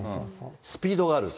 スピードがあるし。